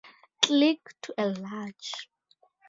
Click to enlarge.